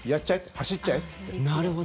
走っちゃえっつって。